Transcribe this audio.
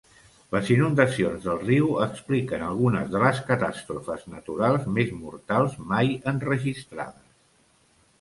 Les inundacions del riu expliquen algunes de les catàstrofes naturals més mortals mai enregistrades.